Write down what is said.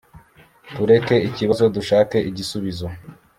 turebe ikibazo dushake igisubizo